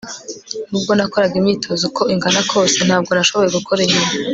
nubwo nakoraga imyitozo uko ingana kose, ntabwo nashoboye gukora inyuma